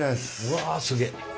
わすげえ。